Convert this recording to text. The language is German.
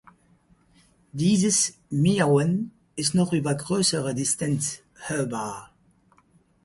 Dieses Miauen ist noch über größere Distanz hörbar.